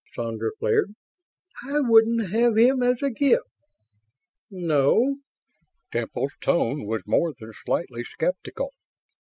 Sandra flared. "I wouldn't have him as a gift!" "No?" Temple's tone was more than slightly skeptical.